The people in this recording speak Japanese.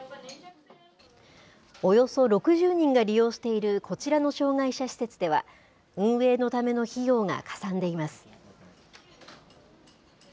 およそ６０人が利用しているこちらの障害者施設では、運営のための費用がかさんでいます。